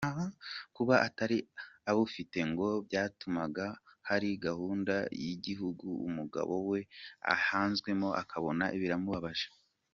Kuba atari abufite ngo byatumaga hari gahunda z’igihugu umugabo we ahezwamo akabona biramubabaje.